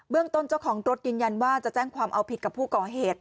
ต้นเจ้าของรถยืนยันว่าจะแจ้งความเอาผิดกับผู้ก่อเหตุ